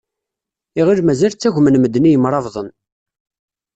Iɣill mazal ttagmen medden i imrabḍen.